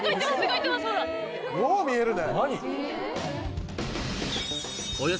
よう見えるね。